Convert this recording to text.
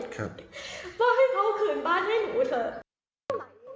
ก็ให้เขาคืนบ้านให้หนูเถอะ